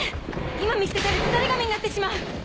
今見捨てたらタタリ神になってしまう！